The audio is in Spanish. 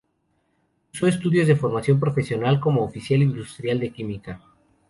Cursó estudios de Formación Profesional como oficial industrial de Química.